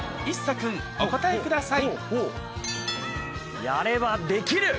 君お答えください